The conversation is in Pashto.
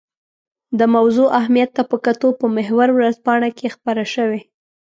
د موضوع اهمیت ته په کتو په محور ورځپاڼه کې خپره شوې.